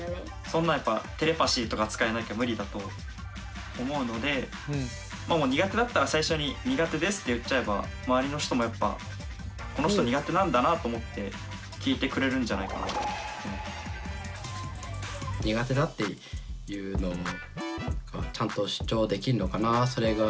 そんなんやっぱテレパシーとか使えなきゃ無理だと思うのでもう苦手だったら最初に苦手ですって言っちゃえば周りの人もやっぱこの人苦手なんだなと思って聞いてくれるんじゃないかなと。って思ったりしちゃいますね。